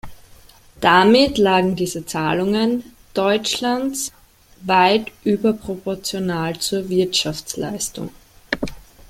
Damit lagen diese Zahlungen Deutschlands weit überproportional zur Wirtschaftsleistung.